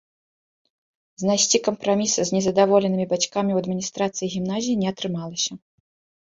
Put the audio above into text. Знайсці кампраміс з незадаволенымі бацькамі ў адміністрацыі гімназіі не атрымалася.